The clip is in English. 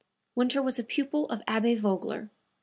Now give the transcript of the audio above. Winter was a pupil of Abbe Vogler.